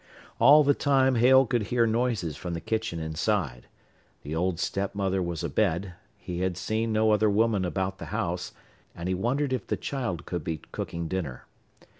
All the time Hale could hear noises from the kitchen inside. The old step mother was abed, he had seen no other woman about the house and he wondered if the child could be cooking dinner.